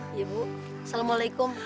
iya bu assalamualaikum